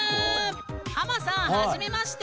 ハマさんはじめまして！